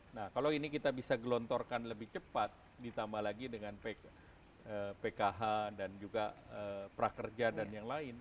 nah kalau ini kita bisa gelontorkan lebih cepat ditambah lagi dengan pkh dan juga prakerja dan yang lain